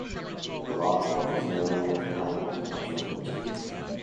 A lot of what is known of Cainnech comes from legend.